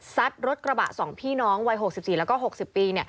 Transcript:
ซัดรถกระบะสองพี่น้องวัย๖๔และก็๖๐ปี